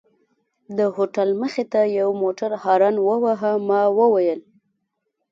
د هوټل مخې ته یوه موټر هارن وواهه، ما وویل.